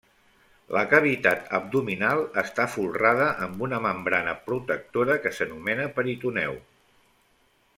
La cavitat abdominal està folrada amb una membrana protectora que s'anomena peritoneu.